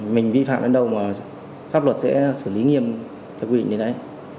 mình vi phạm đến đâu mà pháp luật sẽ xử lý nghiêm theo quy định đến đấy